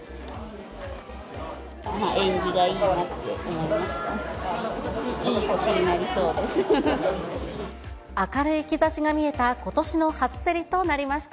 縁起がいいなって思いました。